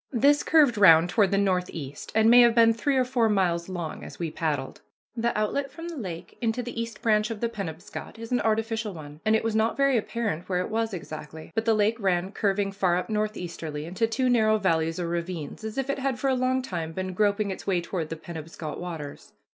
This curved round toward the northeast, and may have been three or four miles long as we paddled. The outlet from the lake into the East Branch of the Penobscot is an artificial one, and it was not very apparent where it was exactly, but the lake ran curving far up northeasterly into two narrow valleys or ravines, as if it had for a long time been groping its way toward the Penobscot waters.